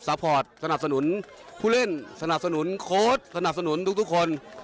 พอร์ตสนับสนุนผู้เล่นสนับสนุนโค้ดสนับสนุนทุกคน